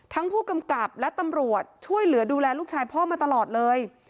ผู้กำกับและตำรวจช่วยเหลือดูแลลูกชายพ่อมาตลอดเลย